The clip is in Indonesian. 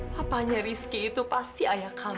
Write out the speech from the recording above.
bapaknya rizky itu pasti ayah kamu